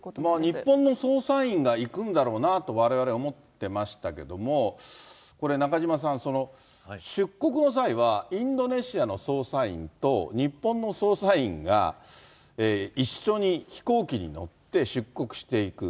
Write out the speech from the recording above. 日本の捜査員が行くんだろうなとわれわれは思ってましたけども、これ、中島さん、出国の際はインドネシアの捜査員と日本の捜査員が、一緒に飛行機に乗って出国していく。